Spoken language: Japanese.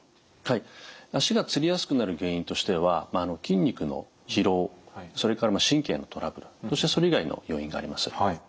足がつりやすくなる原因としては筋肉の疲労それから神経のトラブルそしてそれ以外の要因があります。